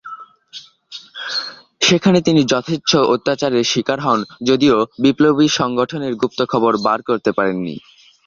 সেখানে তিনি যথেচ্ছ অত্যাচারের শিকার হন যদিও বিপ্লবী সংগঠনের গুপ্ত খবর বার করতে পারেনি।